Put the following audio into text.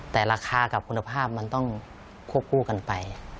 แต่ราคากับคุณภาพมันต้องควบคู่กันไป